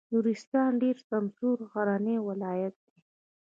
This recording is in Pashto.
نورستان ډېر سمسور غرنی ولایت دی.